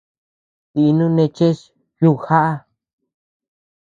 Dinuu neé cheʼes yukjaʼa.